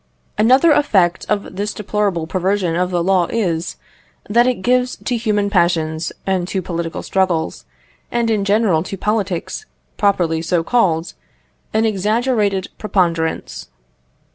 Another effect of this deplorable perversion of the law is, that it gives to human passions and to political struggles, and, in general, to politics, properly so called, an exaggerated preponderance.